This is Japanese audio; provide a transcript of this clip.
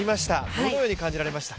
どのように感じられました？